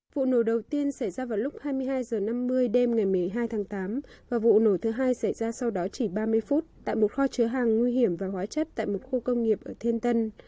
vụ nổ đầu tiên xảy ra vào lúc hai mươi hai h năm mươi đêm ngày một mươi hai tháng tám và vụ nổ thứ hai xảy ra sau đó chỉ ba mươi phút tại một kho chứa hàng nguy hiểm và hóa chất tại một khu công nghiệp ở thiên tân